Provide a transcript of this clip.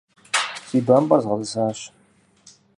Си бампӀэр згъэтӀысащ.